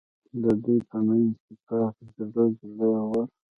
د دوی په منځ کې پاک زړي، زړه ور.